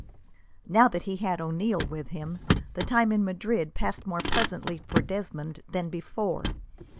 Now that he had O'Neil with him, the time in Madrid passed more pleasantly for Desmond than before.